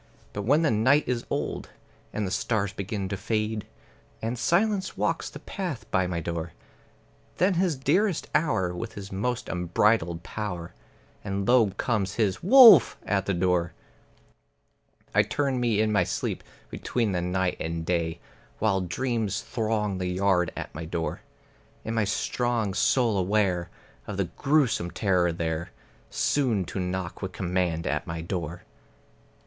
But when the night is old, and the stars begin to fade, And silence walks the path by my door, Then is his dearest hour, his most unbridled power, And low comes his "Wolf!" at the door. I turn me in my sleep between the night and day, While dreams throng the yard at my door. In my strong soul aware of a grewsome terror there Soon to knock with command at my door.